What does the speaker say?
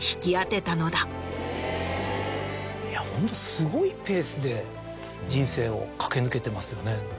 いやホントすごいペースで人生を駆け抜けてますよね。